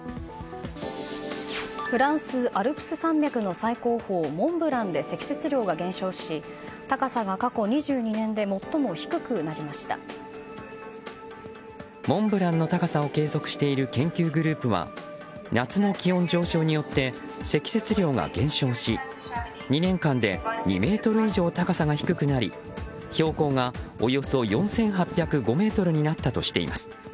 フランスアルプス山脈の最高峰モンブランで積雪量が減少し高さが過去２２年でモンブランの高さを計測している研究グループは夏の気温上昇によって積雪量が減少し２年間で２ｍ以上高さが低くなり標高がおよそ４８０５ｍになったとしています。